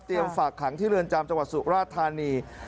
เตรียมฝากที่เหรือจามในจังหวัดสุรราษฎาณี